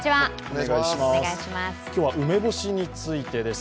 今日は梅干しについてです。